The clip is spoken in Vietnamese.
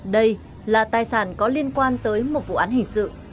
đây là tài sản có liên quan tới một vụ án hình sự